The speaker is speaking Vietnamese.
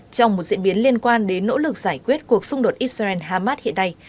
trong một diễn biến liên quan đến nỗ lực giải quyết cuộc xung đột israel hamas hiện nay